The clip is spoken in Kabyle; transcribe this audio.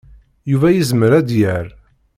Yuba yezmer ad d-yerr.